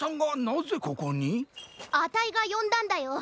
あたいがよんだんだよ。